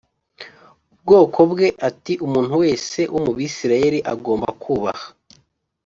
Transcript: ubwoko bwe ati umuntu wese wo mu bisirayeli agomba kubaha